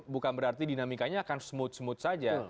bukan berarti dinamikanya akan smooth smooth saja